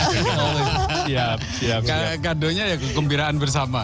kado nya ya kekumpiraan bersama